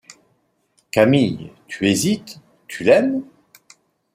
Camille, tu hésites, tu l’aimes !